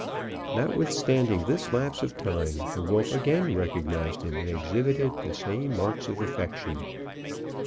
Notwithstanding this lapse of time, the wolf again recognized him, and exhibited the same marks of affection.